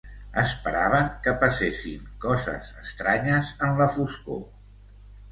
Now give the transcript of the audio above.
Esperaven que passessin coses estranyes en la foscor.